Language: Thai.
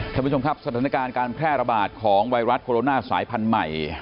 ท่านผู้ชมครับสถานการณ์การแพร่ระบาดของไวรัสโคโรนาสายพันธุ์ใหม่